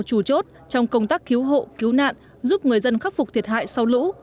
chủ chốt trong công tác cứu hộ cứu nạn giúp người dân khắc phục thiệt hại sau lũ